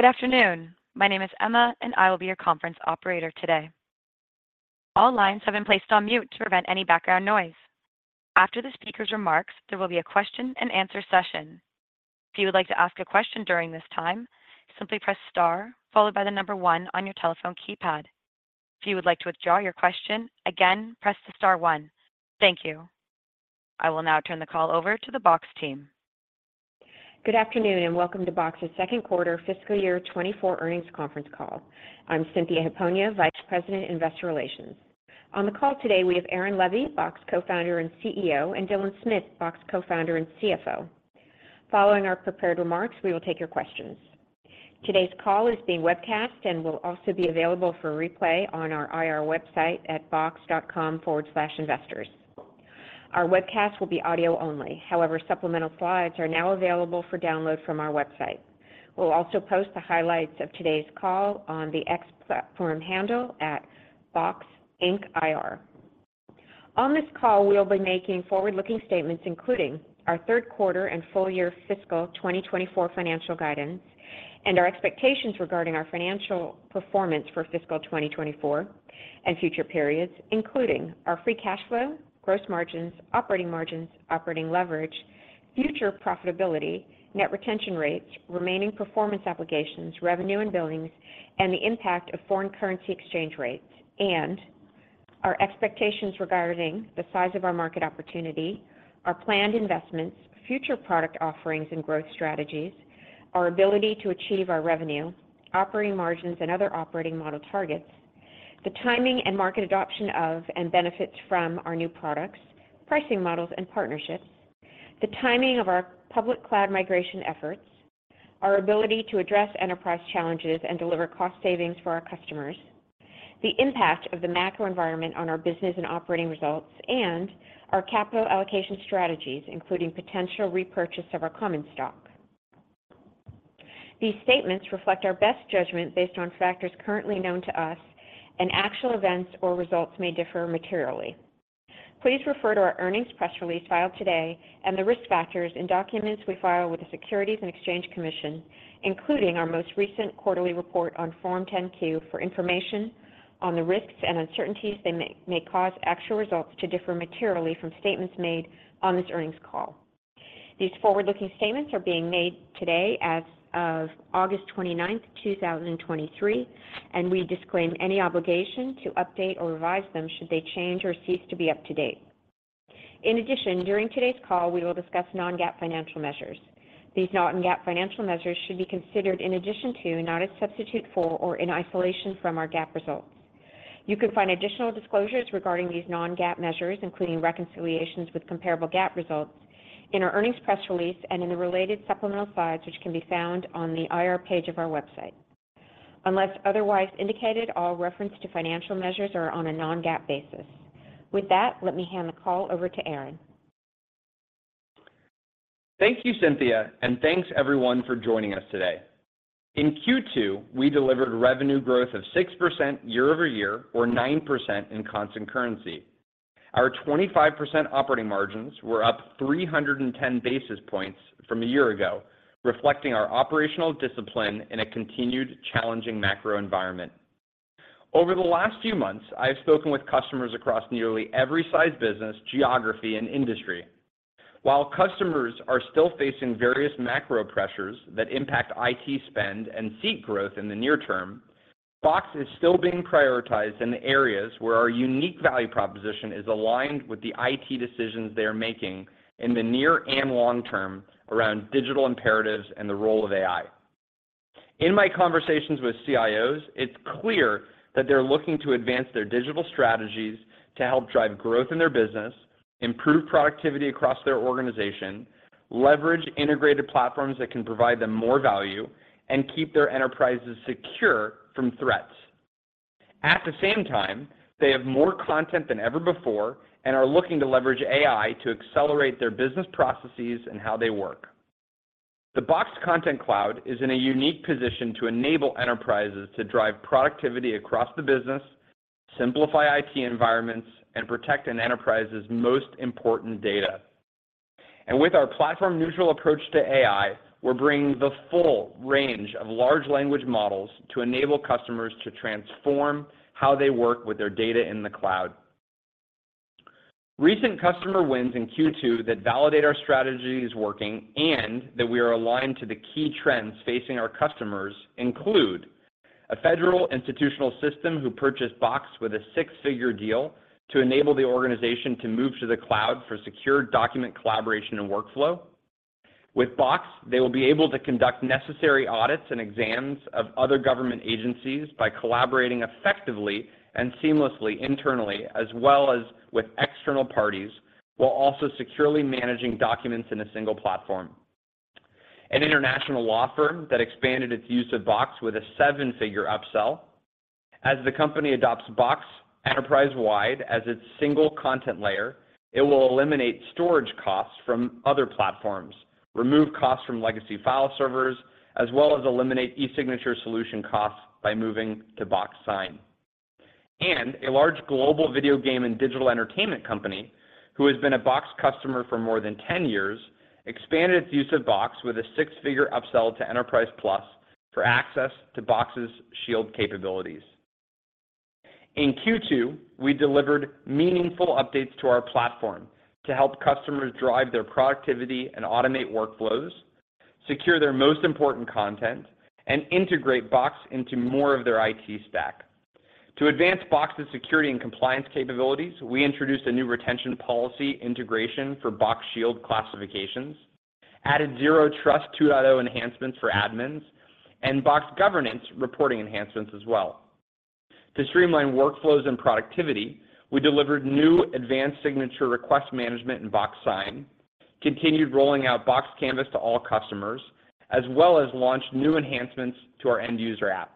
Good afternoon. My name is Emma, and I will be your conference operator today. All lines have been placed on mute to prevent any background noise. After the speaker's remarks, there will be a question and answer session. If you would like to ask a question during this time, simply press star, followed by the number one on your telephone keypad. If you would like to withdraw your question, again, press the star one. Thank you. I will now turn the call over to the Box team. Good afternoon, and welcome to Box's second quarter fiscal year 2024 earnings conference call. I'm Cynthia Hiponia, Vice President, Investor Relations. On the call today, we have Aaron Levie, Box Co-Founder and CEO, and Dylan Smith, Box Co-Founder and CFO. Following our prepared remarks, we will take your questions. Today's call is being webcast and will also be available for replay on our IR website at box.com/investors. Our webcast will be audio only. However, supplemental slides are now available for download from our website. We'll also post the highlights of today's call on the X platform handle, @BoxIncIR. On this call, we'll be making forward-looking statements, including our third quarter and full year fiscal 2024 financial guidance. And our expectations regarding our financial performance for fiscal 2024 and future periods, including our free cash flow, gross margins, operating margins, operating leverage, future profitability, net retention rates, remaining performance obligations, revenue and billings, and the impact of foreign currency exchange rates. And our expectations regarding the size of our market opportunity, our planned investments, future product offerings and growth strategies, our ability to achieve our revenue, operating margins, and other operating model targets, the timing and market adoption of and benefits from our new products, pricing models and partnerships, the timing of our public cloud migration efforts, our ability to address enterprise challenges and deliver cost savings for our customers, the impact of the macro environment on our business and operating results. And our capital allocation strategies, including potential repurchase of our common stock. These statements reflect our best judgment based on factors currently known to us, and actual events or results may differ materially. Please refer to our earnings press release filed today and the risk factors in documents we file with the Securities and Exchange Commission, including our most recent quarterly report on Form 10-Q, for information on the risks and uncertainties that may cause actual results to differ materially from statements made on this earnings call. These forward-looking statements are being made today as of August 29th, 2023, and we disclaim any obligation to update or revise them should they change or cease to be up to date. In addition, during today's call, we will discuss non-GAAP financial measures. These non-GAAP financial measures should be considered in addition to, not a substitute for, or in isolation from, our GAAP results. You can find additional disclosures regarding these non-GAAP measures, including reconciliations with comparable GAAP results, in our earnings press release and in the related supplemental slides, which can be found on the IR page of our website. Unless otherwise indicated, all reference to financial measures are on a non-GAAP basis. With that, let me hand the call over to Aaron. Thank you, Cynthia, and thanks everyone for joining us today. In Q2, we delivered revenue growth of 6% year-over-year, or 9% in constant currency. Our 25% operating margins were up 310 basis points from a year ago, reflecting our operational discipline in a continued challenging macro environment. Over the last few months, I have spoken with customers across nearly every size business, geography, and industry. While customers are still facing various macro pressures that impact IT spend and seek growth in the near term, Box is still being prioritized in the areas where our unique value proposition is aligned with the IT decisions they are making in the near and long term around digital imperatives and the role of AI. In my conversations with CIOs, it's clear that they're looking to advance their digital strategies to help drive growth in their business, improve productivity across their organization, leverage integrated platforms that can provide them more value, and keep their enterprises secure from threats. At the same time, they have more content than ever before and are looking to leverage AI to accelerate their business processes and how they work. The Box Content Cloud is in a unique position to enable enterprises to drive productivity across the business, simplify IT environments, and protect an enterprise's most important data. And with our platform-neutral approach to AI, we're bringing the full range of large language models to enable customers to transform how they work with their data in the cloud. Recent customer wins in Q2 that validate our strategy is working and that we are aligned to the key trends facing our customers include: a federal institutional system who purchased Box with a six-figure deal to enable the organization to move to the cloud for secured document collaboration and workflow. With Box, they will be able to conduct necessary audits and exams of other government agencies by collaborating effectively and seamlessly internally, as well as with external parties, while also securely managing documents in a single platform. An international law firm that expanded its use of Box with a seven-figure upsell. As the company adopts Box enterprise-wide as its single content layer, it will eliminate storage costs from other platforms, remove costs from legacy file servers, as well as eliminate e-signature solution costs by moving to Box Sign. A large global video game and digital entertainment company, who has been a Box customer for more than 10 years, expanded its use of Box with a six-figure upsell to Enterprise Plus for access to Box Shield capabilities. In Q2, we delivered meaningful updates to our platform to help customers drive their productivity and automate workflows, secure their most important content, and integrate Box into more of their IT stack. To advance Box's security and compliance capabilities, we introduced a new retention policy integration for Box Shield classifications, added Zero Trust 2.0 enhancements for admins, and Box Governance reporting enhancements as well. To streamline workflows and productivity, we delivered new advanced signature request management in Box Sign, continued rolling out Box Canvas to all customers, as well as launched new enhancements to our end user app.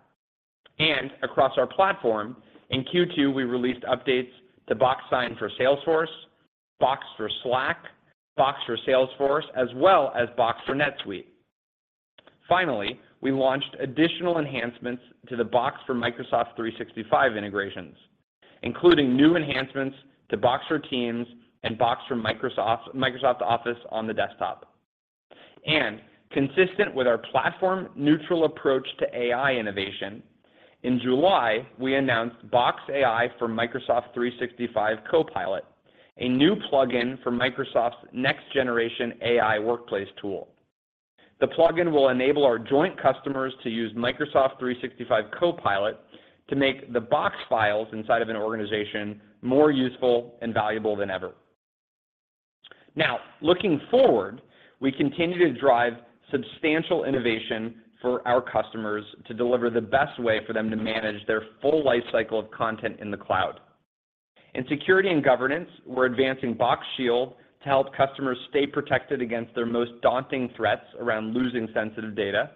Across our platform, in Q2, we released updates to Box Sign for Salesforce, Box for Slack, Box for Salesforce, as well as Box for NetSuite. Finally, we launched additional enhancements to the Box for Microsoft 365 integrations, including new enhancements to Box for Teams and Box for Microsoft Office on the desktop. Consistent with our platform-neutral approach to AI innovation, in July, we announced Box AI for Microsoft 365 Copilot, a new plugin for Microsoft's next generation AI workplace tool. The plugin will enable our joint customers to use Microsoft 365 Copilot to make the Box files inside of an organization more useful and valuable than ever. Now, looking forward, we continue to drive substantial innovation for our customers to deliver the best way for them to manage their full life cycle of content in the cloud. In security and governance, we're advancing Box Shield to help customers stay protected against their most daunting threats around losing sensitive data.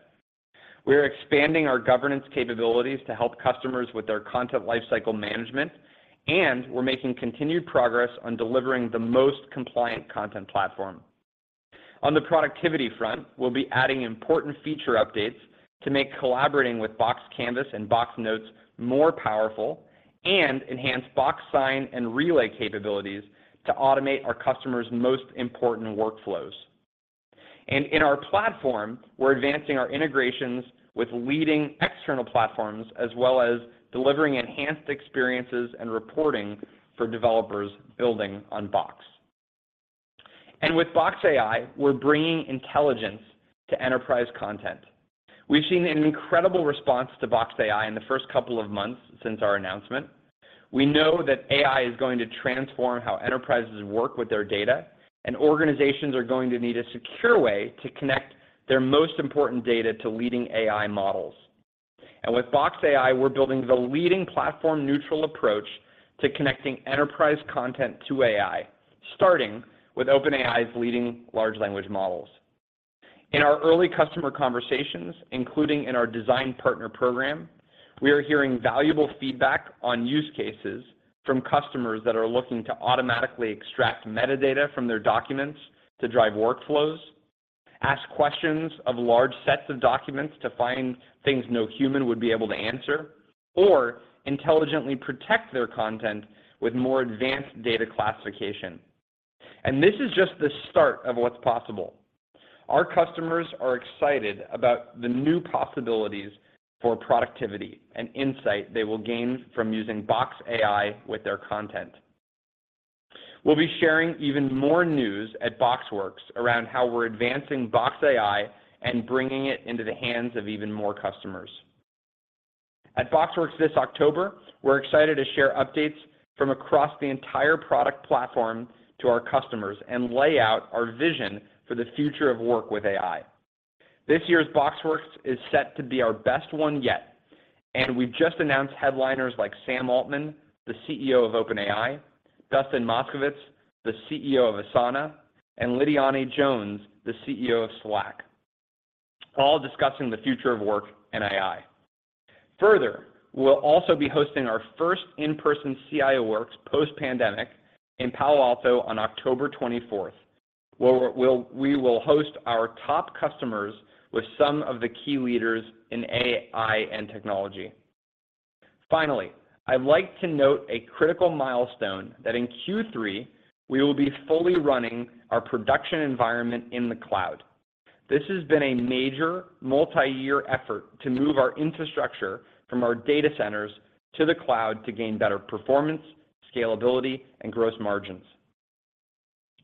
We are expanding our governance capabilities to help customers with their content lifecycle management, and we're making continued progress on delivering the most compliant content platform. On the productivity front, we'll be adding important feature updates to make collaborating with Box Canvas and Box Notes more powerful and enhance Box Sign and Relay capabilities to automate our customers' most important workflows. In our platform, we're advancing our integrations with leading external platforms, as well as delivering enhanced experiences and reporting for developers building on Box. With Box AI, we're bringing intelligence to enterprise content. We've seen an incredible response to Box AI in the first couple of months since our announcement. We know that AI is going to transform how enterprises work with their data, and organizations are going to need a secure way to connect their most important data to leading AI models. With Box AI, we're building the leading platform-neutral approach to connecting enterprise content to AI, starting with OpenAI's leading large language models. In our early customer conversations, including in our Design Partner Program, we are hearing valuable feedback on use cases from customers that are looking to automatically extract metadata from their documents to drive workflows, ask questions of large sets of documents to find things no human would be able to answer, or intelligently protect their content with more advanced data classification. This is just the start of what's possible. Our customers are excited about the new possibilities for productivity and insight they will gain from using Box AI with their content. We'll be sharing even more news at BoxWorks around how we're advancing Box AI and bringing it into the hands of even more customers. At BoxWorks this October, we're excited to share updates from across the entire product platform to our customers and lay out our vision for the future of work with AI. This year's BoxWorks is set to be our best one yet, and we've just announced headliners like Sam Altman, the CEO of OpenAI, Dustin Moskovitz, the CEO of Asana, and Lidiane Jones, the CEO of Slack, all discussing the future of work and AI. Further, we'll also be hosting our first in-person CIO Works post-pandemic in Palo Alto on October 24th, where we'll host our top customers with some of the key leaders in AI and technology. Finally, I'd like to note a critical milestone that in Q3, we will be fully running our production environment in the cloud. This has been a major multi-year effort to move our infrastructure from our data centers to the cloud to gain better performance, scalability, and gross margins.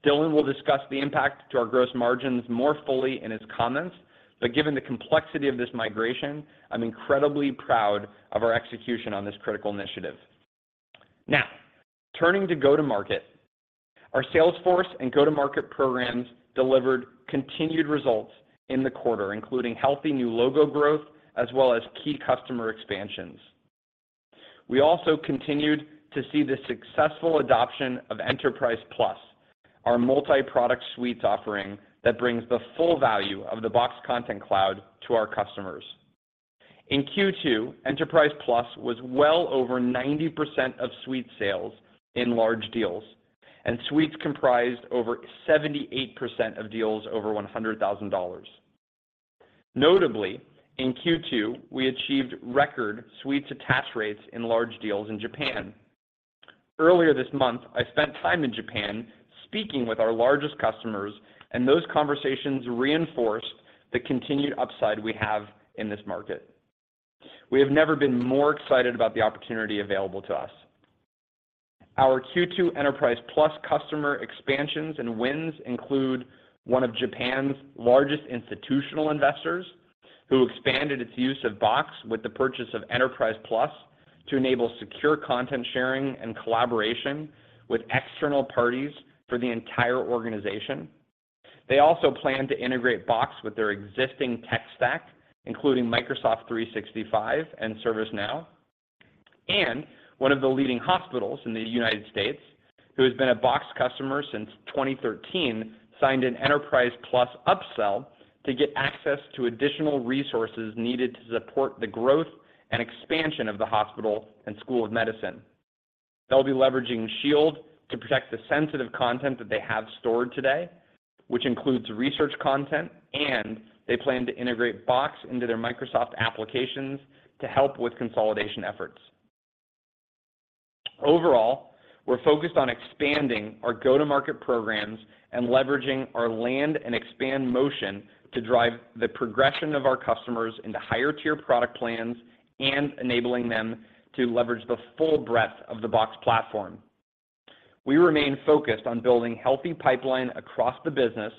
Dylan will discuss the impact to our gross margins more fully in his comments, but given the complexity of this migration, I'm incredibly proud of our execution on this critical initiative. Now, turning to go-to-market. Our sales force and go-to-market programs delivered continued results in the quarter, including healthy new logo growth as well as key customer expansions. We also continued to see the successful adoption of Enterprise Plus, our multi-product suites offering that brings the full value of the Box Content Cloud to our customers. In Q2, Enterprise Plus was well over 90% of suite sales in large deals, and suites comprised over 78% of deals over $100,000. Notably, in Q2, we achieved record suites attach rates in large deals in Japan. Earlier this month, I spent time in Japan speaking with our largest customers, and those conversations reinforced the continued upside we have in this market. We have never been more excited about the opportunity available to us. Our Q2 Enterprise Plus customer expansions and wins include one of Japan's largest institutional investors, who expanded its use of Box with the purchase of Enterprise Plus to enable secure content sharing and collaboration with external parties for the entire organization. They also plan to integrate Box with their existing tech stack, including Microsoft 365 and ServiceNow, and one of the leading hospitals in the United States, who has been a Box customer since 2013, signed an Enterprise Plus upsell to get access to additional resources needed to support the growth and expansion of the hospital and school of medicine. They'll be leveraging Shield to protect the sensitive content that they have stored today, which includes research content, and they plan to integrate Box into their Microsoft applications to help with consolidation efforts. Overall, we're focused on expanding our go-to-market programs and leveraging our land and expand motion to drive the progression of our customers into higher-tier product plans and enabling them to leverage the full breadth of the Box platform. We remain focused on building healthy pipeline across the business,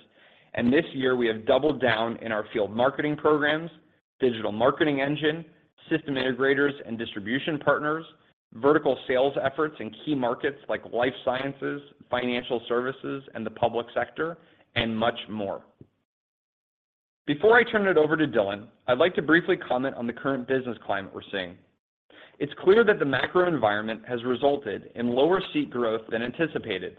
and this year, we have doubled down in our field marketing programs, digital marketing engine, system integrators and distribution partners, vertical sales efforts in key markets like life sciences, financial services, and the public sector, and much more. Before I turn it over to Dylan, I'd like to briefly comment on the current business climate we're seeing. It's clear that the macro environment has resulted in lower seat growth than anticipated.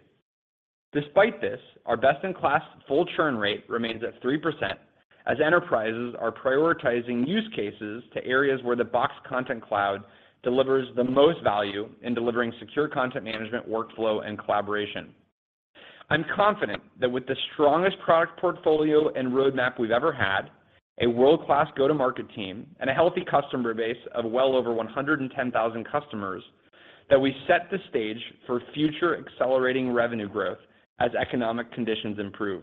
Despite this, our best-in-class full churn rate remains at 3%, as enterprises are prioritizing use cases to areas where the Box Content Cloud delivers the most value in delivering secure content management, workflow, and collaboration. I'm confident that with the strongest product portfolio and roadmap we've ever had, a world-class go-to-market team, and a healthy customer base of well over 110,000 customers, that we set the stage for future accelerating revenue growth as economic conditions improve.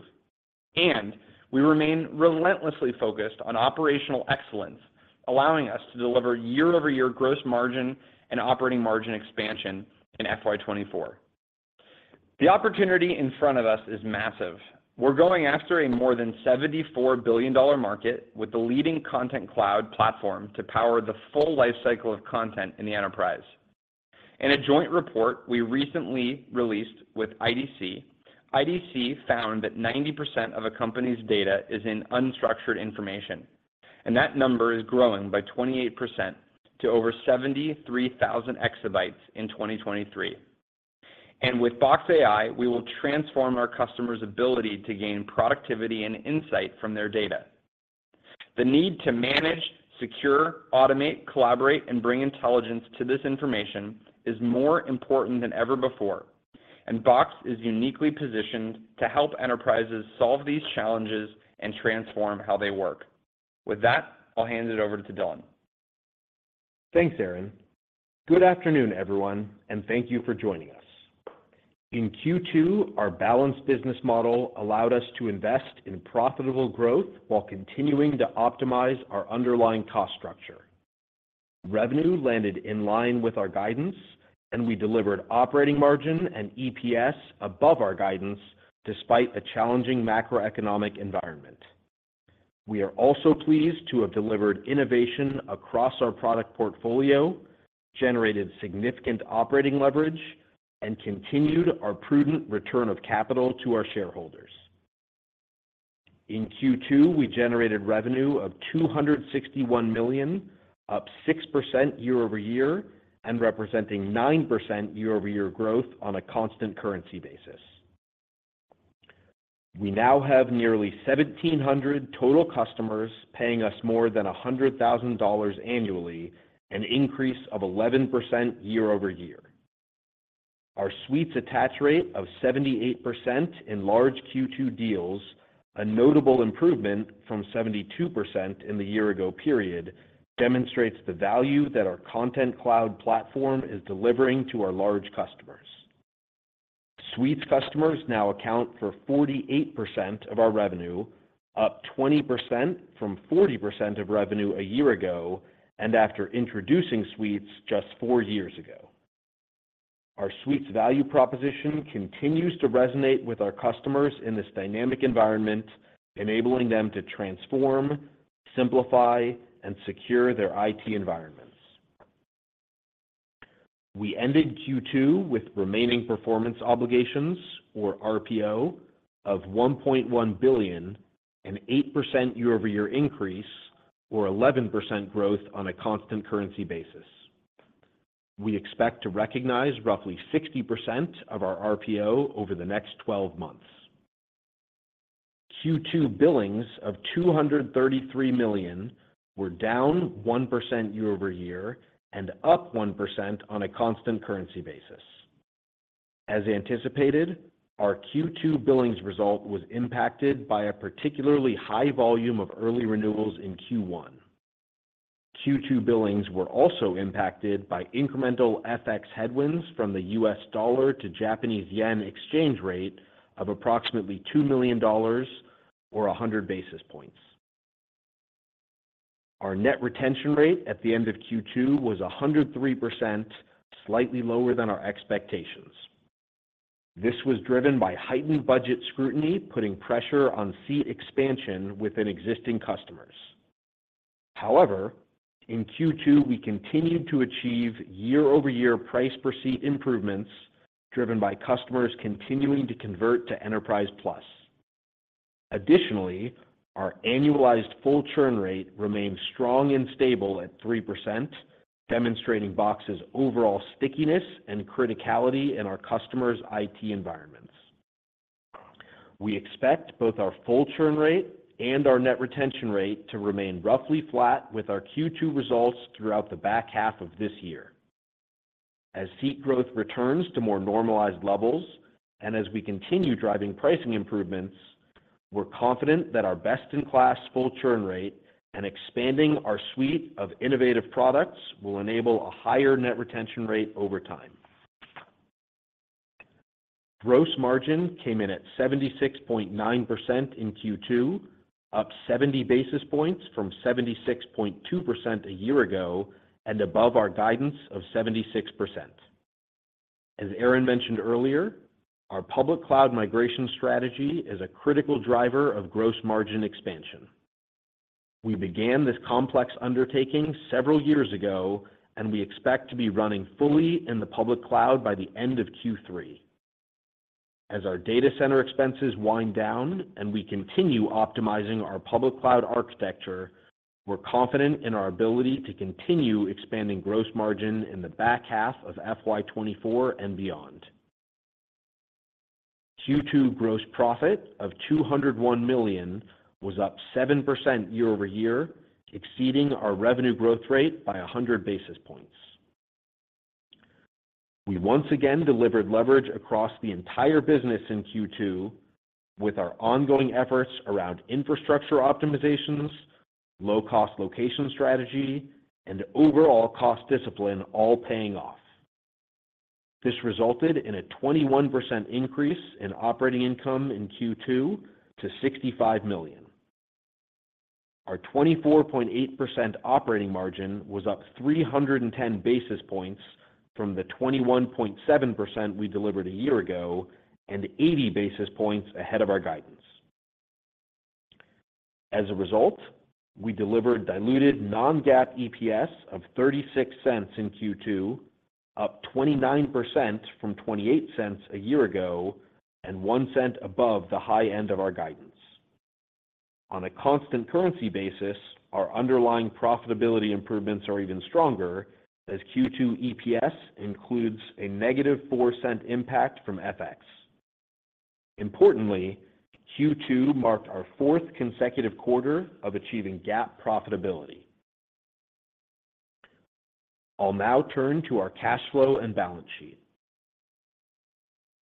And we remain relentlessly focused on operational excellence, allowing us to deliver year-over-year gross margin and operating margin expansion in FY 2024. The opportunity in front of us is massive. We're going after a more than $74 billion market with the leading content cloud platform to power the full life cycle of content in the enterprise. In a joint report we recently released with IDC, IDC found that 90% of a company's data is in unstructured information, and that number is growing by 28% to over 73,000 exabytes in 2023. With Box AI, we will transform our customers' ability to gain productivity and insight from their data. The need to manage, secure, automate, collaborate, and bring intelligence to this information is more important than ever before, and Box is uniquely positioned to help enterprises solve these challenges and transform how they work. With that, I'll hand it over to Dylan. Thanks, Aaron. Good afternoon, everyone, and thank you for joining us. In Q2, our balanced business model allowed us to invest in profitable growth while continuing to optimize our underlying cost structure. Revenue landed in line with our guidance, and we delivered operating margin and EPS above our guidance, despite a challenging macroeconomic environment. We are also pleased to have delivered innovation across our product portfolio, generated significant operating leverage, and continued our prudent return of capital to our shareholders. In Q2, we generated revenue of $261 million, up 6% year-over-year, and representing 9% year-over-year growth on a constant currency basis. We now have nearly 1,700 total customers paying us more than $100,000 annually, an increase of 11% year-over-year. Our Suites attach rate of 78% in large Q2 deals, a notable improvement from 72% in the year-ago period, demonstrates the value that our Content Cloud platform is delivering to our large customers. Suites customers now account for 48% of our revenue, up 20% from 40% of revenue a year ago, and after introducing Suites just four years ago. Our Suites value proposition continues to resonate with our customers in this dynamic environment, enabling them to transform, simplify, and secure their IT environments. We ended Q2 with remaining performance obligations, or RPO, of $1.1 billion, an 8% year-over-year increase, or 11% growth on a constant currency basis. We expect to recognize roughly 60% of our RPO over the next 12 months. Q2 billings of $233 million were down 1% year-over-year and up 1% on a constant currency basis. As anticipated, our Q2 billings result was impacted by a particularly high volume of early renewals in Q1. Q2 billings were also impacted by incremental FX headwinds from the US dollar to Japanese yen exchange rate of approximately $2 million or 100 basis points. Our net retention rate at the end of Q2 was 103%, slightly lower than our expectations. This was driven by heightened budget scrutiny, putting pressure on seat expansion within existing customers. However, in Q2, we continued to achieve year-over-year price per seat improvements, driven by customers continuing to convert to Enterprise Plus. Additionally, our annualized full churn rate remains strong and stable at 3%, demonstrating Box's overall stickiness and criticality in our customers' IT environments. We expect both our full churn rate and our net retention rate to remain roughly flat with our Q2 results throughout the back half of this year. As seat growth returns to more normalized levels and as we continue driving pricing improvements, we're confident that our best-in-class full churn rate and expanding our suite of innovative products will enable a higher net retention rate over time. Gross margin came in at 76.9% in Q2, up 70 basis points from 76.2% a year ago, and above our guidance of 76%. As Aaron mentioned earlier, our public cloud migration strategy is a critical driver of gross margin expansion. We began this complex undertaking several years ago, and we expect to be running fully in the public cloud by the end of Q3. As our data center expenses wind down and we continue optimizing our public cloud architecture, we're confident in our ability to continue expanding gross margin in the back half of FY 2024 and beyond. Q2 gross profit of $201 million was up 7% year-over-year, exceeding our revenue growth rate by 100 basis points. We once again delivered leverage across the entire business in Q2, with our ongoing efforts around infrastructure optimizations, low-cost location strategy, and overall cost discipline all paying off. This resulted in a 21% increase in operating income in Q2 to $65 million. Our 24.8% operating margin was up 310 basis points from the 21.7% we delivered a year ago and 80 basis points ahead of our guidance. As a result, we delivered diluted non-GAAP EPS of $0.36 in Q2, up 29% from $0.28 a year ago and $0.01 above the high end of our guidance. On a constant currency basis, our underlying profitability improvements are even stronger, as Q2 EPS includes a negative $0.04 impact from FX. Importantly, Q2 marked our fourth consecutive quarter of achieving GAAP profitability. I'll now turn to our cash flow and balance sheet.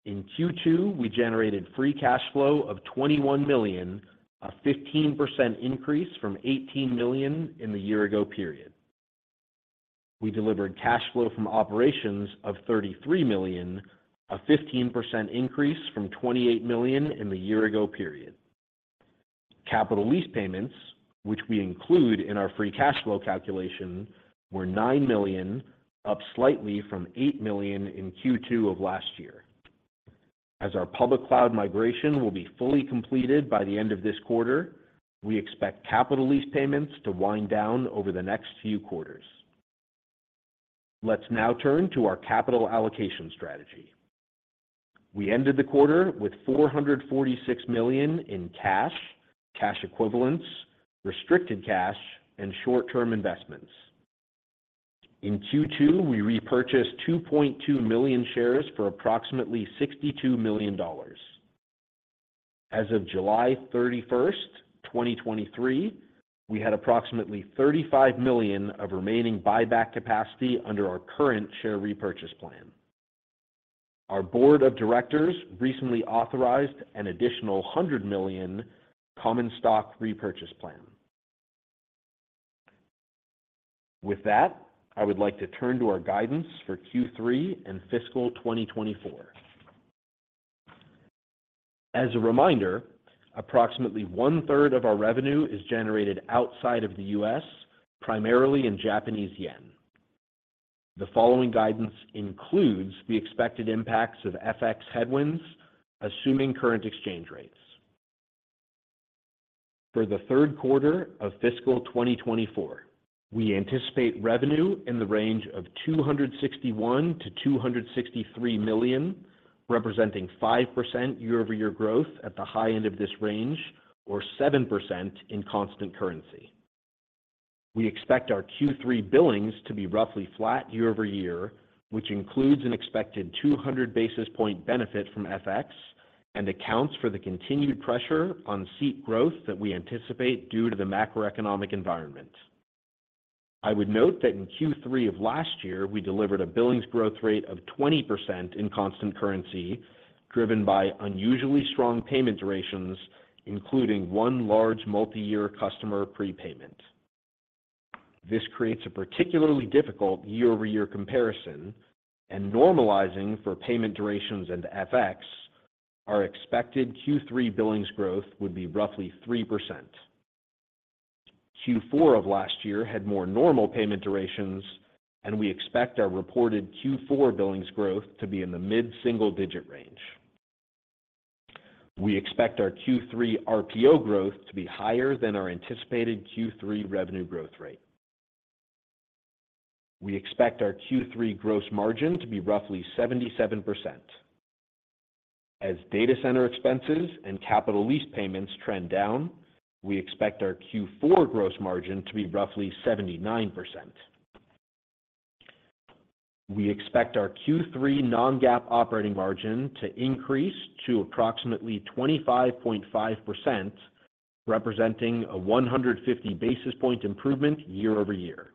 In Q2, we generated free cash flow of $21 million, a 15% increase from $18 million in the year ago period. We delivered cash flow from operations of $33 million, a 15% increase from $28 million in the year ago period. Capital lease payments, which we include in our free cash flow calculation, were $9 million, up slightly from $8 million in Q2 of last year. As our public cloud migration will be fully completed by the end of this quarter, we expect capital lease payments to wind down over the next few quarters. Let's now turn to our capital allocation strategy. We ended the quarter with $446 million in cash, cash equivalents, restricted cash, and short-term investments. In Q2, we repurchased 2.2 million shares for approximately $62 million. As of July 31st, 2023, we had approximately $35 million of remaining buyback capacity under our current share repurchase plan. Our board of directors recently authorized an additional $100 million common stock repurchase plan. With that, I would like to turn to our guidance for Q3 and fiscal 2024. As a reminder, approximately one-third of our revenue is generated outside of the U.S., primarily in Japanese yen. The following guidance includes the expected impacts of FX headwinds, assuming current exchange rates. For the third quarter of fiscal 2024, we anticipate revenue in the range of $261 million-$263 million, representing 5% year-over-year growth at the high end of this range, or 7% in constant currency. We expect our Q3 billings to be roughly flat year-over-year, which includes an expected 200 basis point benefit from FX and accounts for the continued pressure on seat growth that we anticipate due to the macroeconomic environment. I would note that in Q3 of last year, we delivered a billings growth rate of 20% in constant currency, driven by unusually strong payment durations, including one large multi-year customer prepayment. This creates a particularly difficult year-over-year comparison, and normalizing for payment durations and FX, our expected Q3 billings growth would be roughly 3%. Q4 of last year had more normal payment durations, and we expect our reported Q4 billings growth to be in the mid-single-digit range. We expect our Q3 RPO growth to be higher than our anticipated Q3 revenue growth rate. We expect our Q3 gross margin to be roughly 77%. As data center expenses and capital lease payments trend down, we expect our Q4 gross margin to be roughly 79%. We expect our Q3 non-GAAP operating margin to increase to approximately 25.5%, representing a 150 basis point improvement year-over-year.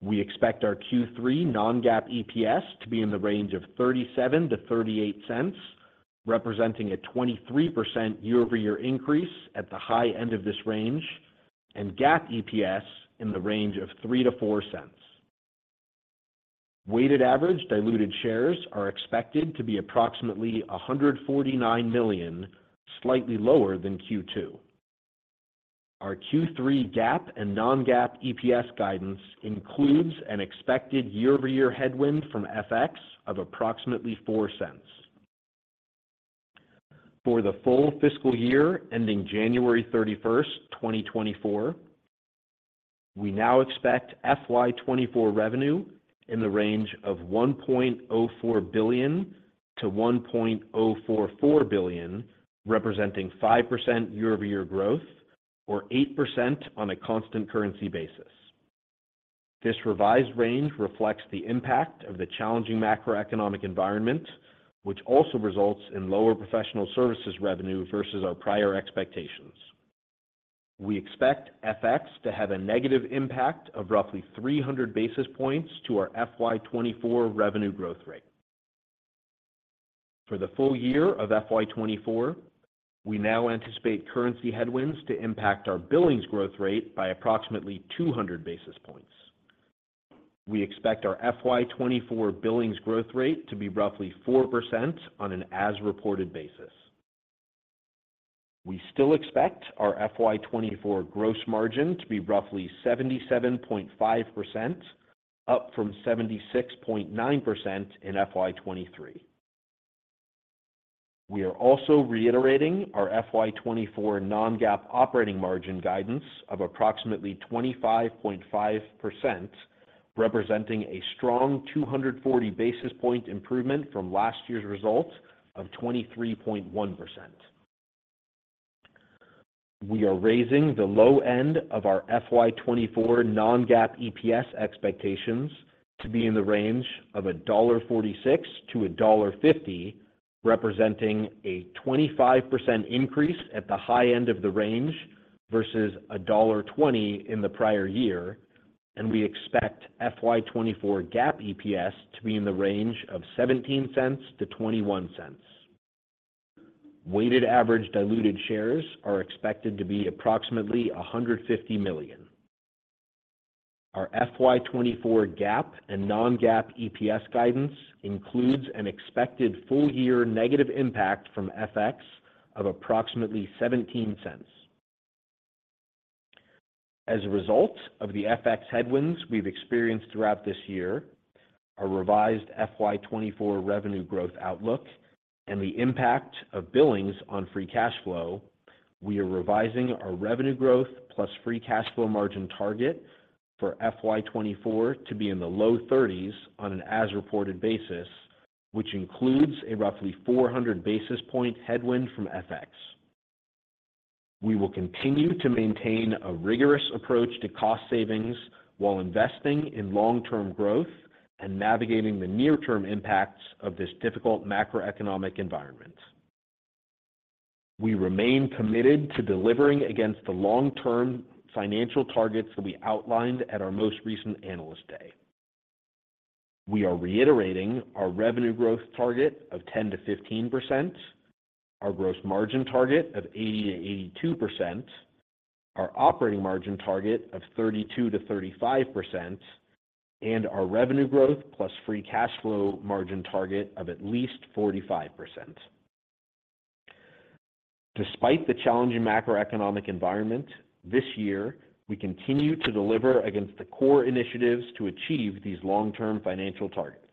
We expect our Q3 non-GAAP EPS to be in the range of $0.37-$0.38, representing a 23% year-over-year increase at the high end of this range, and GAAP EPS in the range of $0.03-$0.04. Weighted average diluted shares are expected to be approximately 149 million, slightly lower than Q2. Our Q3 GAAP and non-GAAP EPS guidance includes an expected year-over-year headwind from FX of approximately $0.04. For the full fiscal year, ending January 31st, 2024, we now expect FY 2024 revenue in the range of $1.04 billion-$1.044 billion, representing 5% year-over-year growth or 8% on a constant currency basis. This revised range reflects the impact of the challenging macroeconomic environment, which also results in lower professional services revenue versus our prior expectations. We expect FX to have a negative impact of roughly 300 basis points to our FY 2024 revenue growth rate. For the full year of FY 2024, we now anticipate currency headwinds to impact our billings growth rate by approximately 200 basis points. We expect our FY 2024 billings growth rate to be roughly 4% on an as-reported basis. We still expect our FY 2024 gross margin to be roughly 77.5%, up from 76.9% in FY 2023. We are also reiterating our FY 2024 non-GAAP operating margin guidance of approximately 25.5%, representing a strong 240 basis point improvement from last year's results of 23.1%. We are raising the low end of our FY 2024 non-GAAP EPS expectations to be in the range of $1.46-$1.50, representing a 25% increase at the high end of the range versus $1.20 in the prior year, and we expect FY 2024 GAAP EPS to be in the range of $0.17-$0.21. Weighted average diluted shares are expected to be approximately 150 million. Our FY 2024 GAAP and non-GAAP EPS guidance includes an expected full-year negative impact from FX of approximately $0.17. As a result of the FX headwinds we've experienced throughout this year, our revised FY 2024 revenue growth outlook, and the impact of billings on free cash flow, we are revising our revenue growth plus free cash flow margin target for FY 2024 to be in the low 30s on an as-reported basis, which includes a roughly 400 basis points headwind from FX. We will continue to maintain a rigorous approach to cost savings while investing in long-term growth and navigating the near-term impacts of this difficult macroeconomic environment. We remain committed to delivering against the long-term financial targets that we outlined at our most recent Analyst Day. We are reiterating our revenue growth target of 10%-15%, our gross margin target of 80%-82%, our operating margin target of 32%-35%, and our revenue growth plus free cash flow margin target of at least 45%. Despite the challenging macroeconomic environment, this year, we continue to deliver against the core initiatives to achieve these long-term financial targets.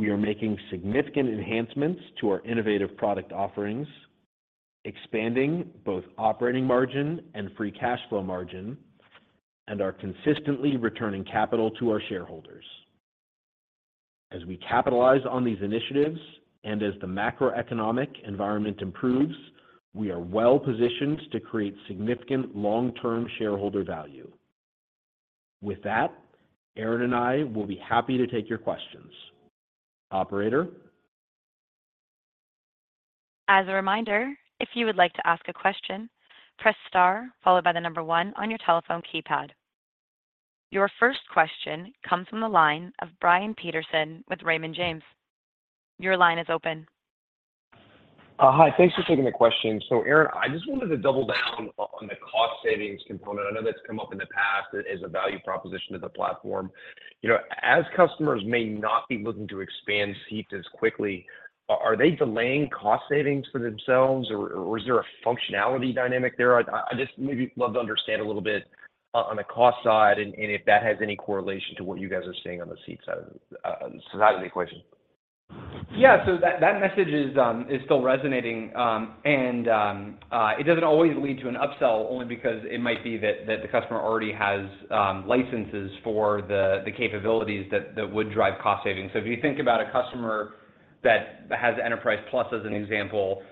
We are making significant enhancements to our innovative product offerings, expanding both operating margin and free cash flow margin, and are consistently returning capital to our shareholders. As we capitalize on these initiatives and as the macroeconomic environment improves, we are well positioned to create significant long-term shareholder value. With that, Aaron and I will be happy to take your questions. Operator? As a reminder, if you would like to ask a question, press star followed by the number one on your telephone keypad. Your first question comes from the line of Brian Peterson with Raymond James. Your line is open. Hi. Thanks for taking the question. So, Aaron, I just wanted to double down on the cost savings component. I know that's come up in the past as a value proposition to the platform. You know, as customers may not be looking to expand seats as quickly, are they delaying cost savings for themselves or is there a functionality dynamic there? I just maybe love to understand a little bit on the cost side and if that has any correlation to what you guys are seeing on the seat side of the equation. Yeah. So that message is still resonating, and it doesn't always lead to an upsell, only because it might be that the customer already has licenses for the capabilities that would drive cost savings. So if you think about a customer that has Enterprise Plus as an example,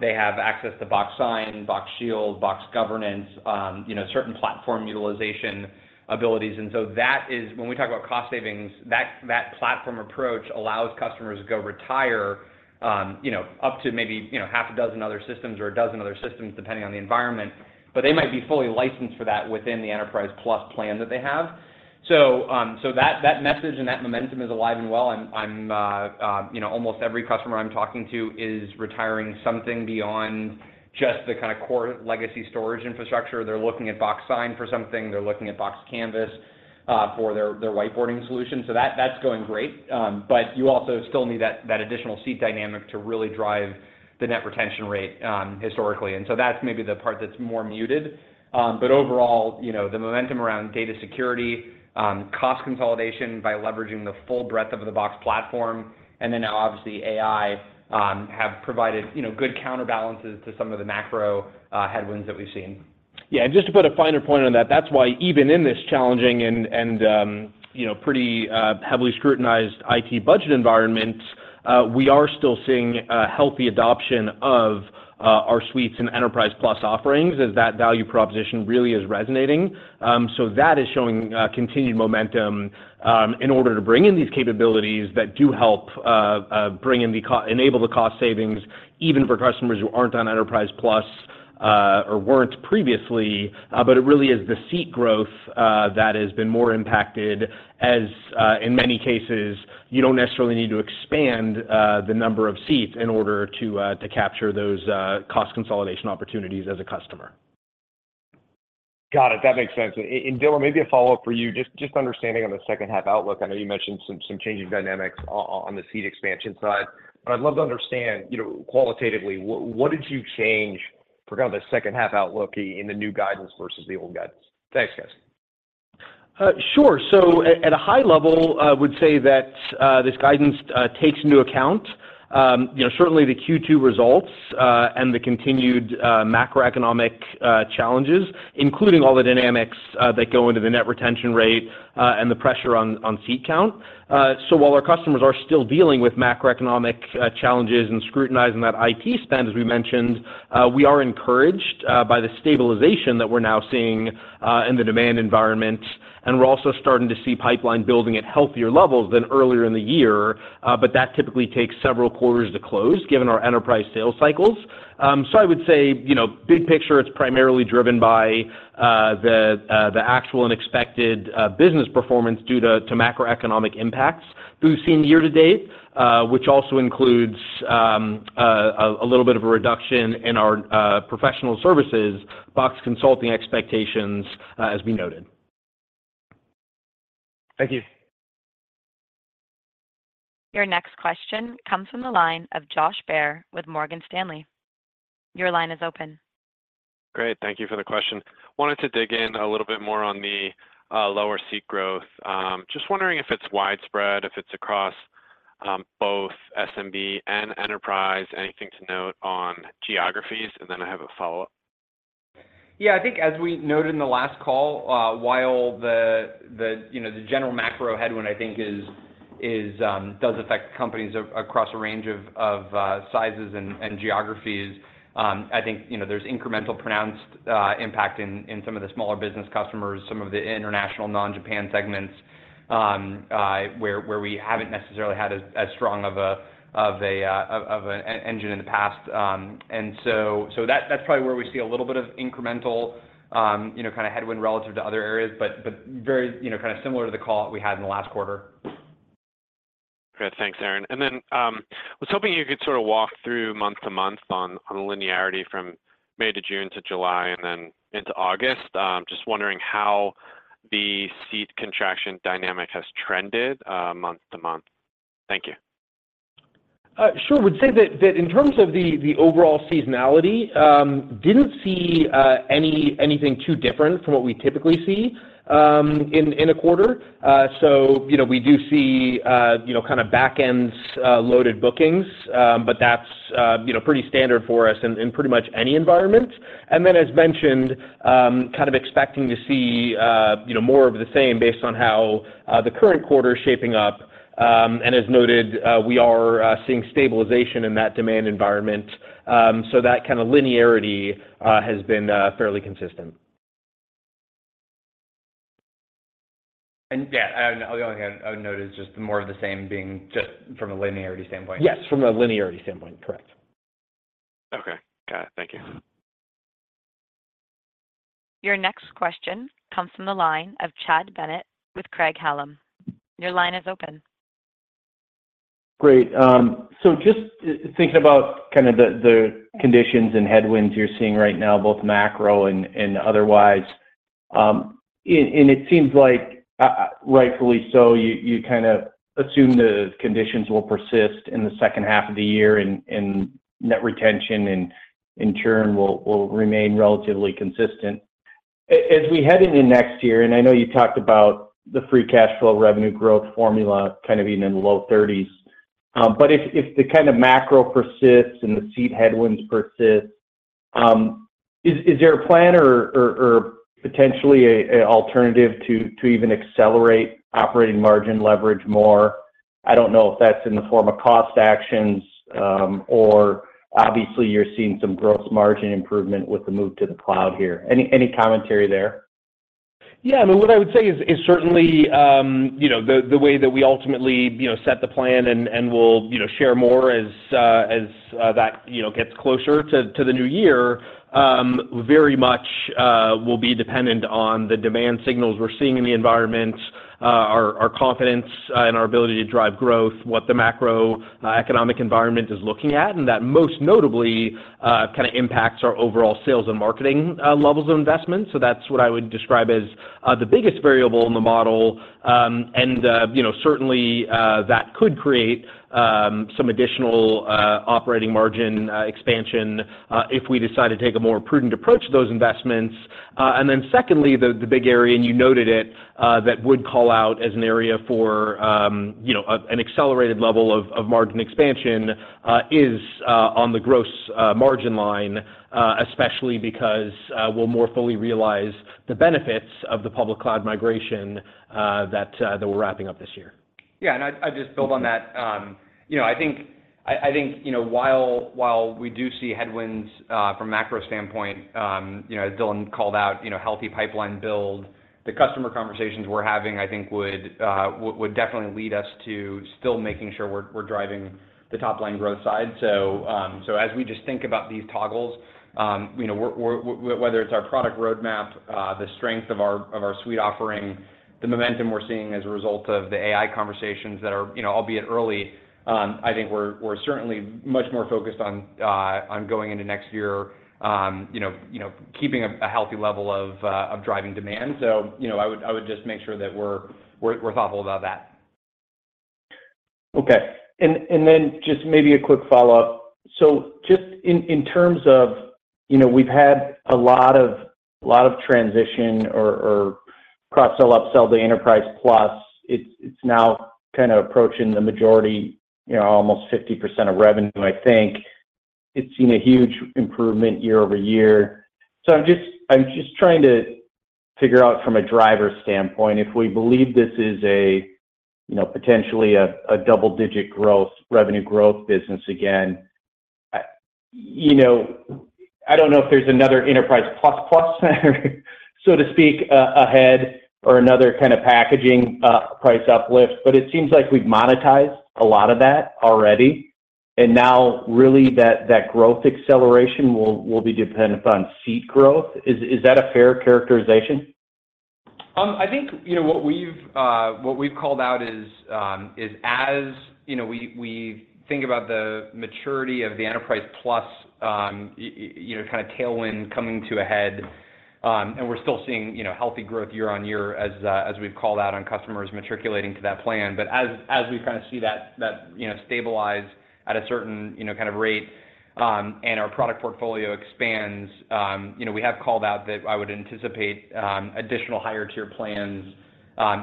they have access to Box Sign, Box Shield, Box Governance, you know, certain platform utilization abilities. And so that is – when we talk about cost savings, that platform approach allows customers to go retire, you know, up to maybe, you know, half a dozen other systems or a dozen other systems, depending on the environment. But they might be fully licensed for that within the Enterprise Plus plan that they have. So that message and that momentum is alive and well. You know, almost every customer I'm talking to is retiring something beyond just the kinda core legacy storage infrastructure. They're looking at Box Sign for something. They're looking at Box Canvas for their whiteboarding solution. So that's going great, but you also still need that additional seat dynamic to really drive the net retention rate historically. And so that's maybe the part that's more muted. But overall, you know, the momentum around data security, cost consolidation by leveraging the full breadth of the Box platform, and then now obviously AI have provided, you know, good counterbalances to some of the macro headwinds that we've seen. Yeah, and just to put a finer point on that, that's why even in this challenging, you know, pretty, heavily scrutinized IT budget environment, we are still seeing a healthy adoption of our Suites and Enterprise Plus offerings, as that value proposition really is resonating. So that is showing continued momentum in order to bring in these capabilities that do help enable the cost savings, even for customers who aren't on Enterprise Plus or weren't previously. But it really is the seat growth that has been more impacted, as in many cases, you don't necessarily need to expand the number of seats in order to capture those cost consolidation opportunities as a customer. Got it. That makes sense. And Dylan, maybe a follow-up for you, just understanding on the second half outlook. I know you mentioned some changing dynamics on the seat expansion side, but I'd love to understand, you know, qualitatively, what did you change for kind of the second half outlook in the new guidance versus the old guidance? Thanks, guys. Sure. So at a high level, I would say that this guidance takes into account, you know, certainly the Q2 results and the continued macroeconomic challenges, including all the dynamics that go into the net retention rate and the pressure on seat count. So while our customers are still dealing with macroeconomic challenges and scrutinizing that IT spend, as we mentioned, we are encouraged by the stabilization that we're now seeing in the demand environment. And we're also starting to see pipeline building at healthier levels than earlier in the year, but that typically takes several quarters to close, given our enterprise sales cycles. So I would say, you know, big picture, it's primarily driven by the actual and expected business performance due to macroeconomic impacts we've seen year to date, which also includes a little bit of a reduction in our professional services, Box Consulting expectations, as we noted. Thank you. Your next question comes from the line of Josh Baer with Morgan Stanley. Your line is open. Great, thank you for the question. Wanted to dig in a little bit more on the lower seat growth. Just wondering if it's widespread, if it's across both SMB and enterprise. Anything to note on geographies? And then I have a follow-up. Yeah, I think as we noted in the last call, while the, you know, the general macro headwind, I think does affect companies across a range of sizes and geographies. I think, you know, there's incremental pronounced impact in some of the smaller business customers, some of the international non-Japan segments, where we haven't necessarily had as strong of an engine in the past. And so, that's probably where we see a little bit of incremental, you know, kinda headwind relative to other areas, but very, you know, kinda similar to the call we had in the last quarter. Great. Thanks, Aaron. And then, I was hoping you could sort of walk through month to month on the linearity from May to June to July, and then into August. Just wondering how the seat contraction dynamic has trended, month to month. Thank you. Sure. Would say that in terms of the overall seasonality, didn't see anything too different from what we typically see in a quarter. So, you know, we do see, you know, kinda back ends loaded bookings, but that's, you know, pretty standard for us in pretty much any environment. And then, as mentioned, kind of expecting to see, you know, more of the same based on how the current quarter is shaping up. And as noted, we are seeing stabilization in that demand environment. So that kinda linearity has been fairly consistent. Yeah, and the only thing I would note is just more of the same being just from a linearity standpoint. Yes, from a linearity standpoint, correct. Okay, got it. Thank you. Your next question comes from the line of Chad Bennett with Craig-Hallum. Your line is open. Great, so just thinking about kind of the conditions and headwinds you're seeing right now, both macro and otherwise, and it seems like, rightfully so, you kind of assume the conditions will persist in the second half of the year, and net retention and in turn, will remain relatively consistent. As we head into next year, and I know you talked about the free cash flow revenue growth formula kind of being in the low 30s, but if the kind of macro persists and the seat headwinds persist, is there a plan or potentially a alternative to even accelerate operating margin leverage more? I don't know if that's in the form of cost actions, or obviously, you're seeing some gross margin improvement with the move to the cloud here. Any, any commentary there? Yeah, I mean, what I would say is certainly, you know, the way that we ultimately, you know, set the plan and we'll, you know, share more as that, you know, gets closer to the new year, very much will be dependent on the demand signals we're seeing in the environment, our confidence and our ability to drive growth, what the macroeconomic environment is looking at, and that most notably kinda impacts our overall sales and marketing levels of investment. So that's what I would describe as the biggest variable in the model. And you know, certainly that could create some additional operating margin expansion if we decide to take a more prudent approach to those investments. And then secondly, the big area, and you noted it, that would call out as an area for, you know, an accelerated level of margin expansion, is on the gross margin line, especially because we'll more fully realize the benefits of the public cloud migration, that we're wrapping up this year. Yeah, and I, I'd just build on that. You know, I think, I think, you know, while we do see headwinds from a macro standpoint, you know, as Dylan called out, you know, healthy pipeline build, the customer conversations we're having, I think would definitely lead us to still making sure we're driving the top line growth side. So, as we just think about these toggles, you know, we're, whether it's our product roadmap, the strength of our suite offering, the momentum we're seeing as a result of the AI conversations that are, you know, albeit early, I think we're certainly much more focused on going into next year, you know, keeping a healthy level of driving demand. So, you know, I would just make sure that we're thoughtful about that. Okay. And then just maybe a quick follow-up. So just in terms of, you know, we've had a lot of transition or cross-sell, upsell to Enterprise Plus. It's now kind of approaching the majority, you know, almost 50% of revenue, I think. It's seen a huge improvement year-over-year. So I'm just trying to figure out from a driver standpoint if we believe this is a, you know, potentially a double-digit growth, revenue growth business again, I, you know, I don't know if there's another Enterprise Plus Plus? So to speak, ahead or another kind of packaging, price uplift, but it seems like we've monetized a lot of that already. And now, really, that growth acceleration will be dependent upon seat growth. Is that a fair characterization? I think, you know, what we've, what we've called out is, is as, you know, we, we think about the maturity of the Enterprise Plus, you know, kind of tailwind coming to a head, and we're still seeing, you know, healthy growth year-on-year as, as we've called out on customers matriculating to that plan. But as, as we kind of see that, that, you know, stabilize at a certain, you know, kind of rate, and our product portfolio expands, you know, we have called out that I would anticipate, additional higher tier plans,